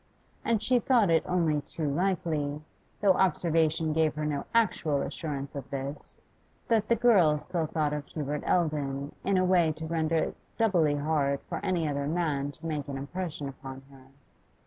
And she thought it only too likely, though observation gave her no actual assurance of this, that the girl still thought of Hubert Eldon in a way to render it doubly hard for any other man to make an impression upon her.